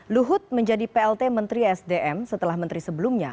luhut menjadi plt menteri sdm setelah menteri sebelumnya